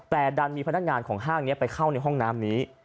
แต่ดันมีพนักงานของห้างนี้ไปเข้าในห้องน้ำนี้